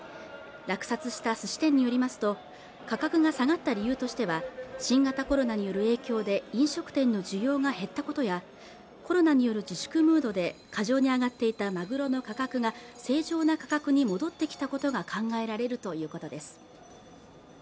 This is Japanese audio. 落札したすし店によりますと価格が下がった理由としては新型コロナによる影響で飲食店の需要が減ったことやコロナによる自粛ムードで過剰に上がっていたマグロの価格が正常な価格に戻ってきたことが考えられるということです